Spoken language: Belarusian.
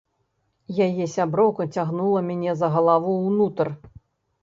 Яе сяброўка цягнула мяне за галаву ўнутр.